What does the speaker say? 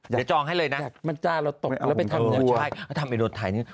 เดี๋ยวจองให้เลยนะไม่เอาผมเตอร์โทรใช่ทำให้โดนไทยนึง